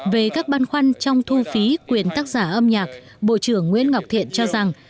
về các băn khoăn trong thu phí quyền tác giả âm nhạc bộ trưởng nguyễn ngọc thiện cho rằng